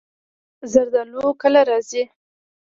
زردالو کله راځي؟